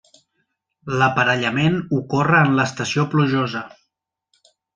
L'aparellament ocorre en l'estació plujosa.